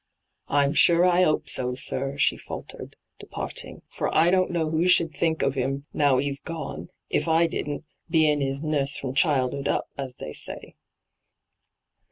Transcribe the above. ' I'm sure I 'ope so, sir,' she faltered, de parting ;' for I don't know who should think of 'im, now 'e's gone, if I didn't, bein' 'is nurse from childhood up, as they say.'